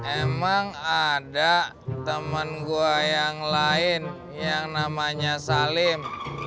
emang ada temen gua yang lain yang namanya salim